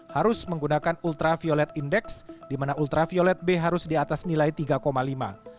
harus menggunakan ultraviolet index di mana ultraviolet b harus di atas nilai tiga lima